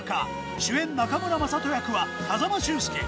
主演、中村正人役は風間俊介。